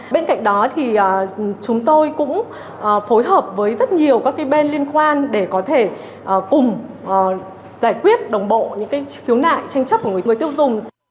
bên cạnh đó thì chúng tôi cũng phối hợp với rất nhiều các bên liên quan để có thể cùng giải quyết đồng bộ những khiếu nại tranh chấp của người tiêu dùng